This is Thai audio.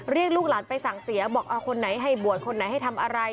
ลูกหลานไปสั่งเสียบอกคนไหนให้บวชคนไหนให้ทำอะไร